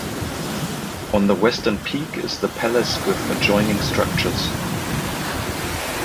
On the western peak is the palace with adjoining structures.